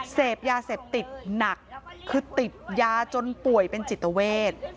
เสพยาเสพติดหนักคือติดยาจนป่วยเป็นจิตเวท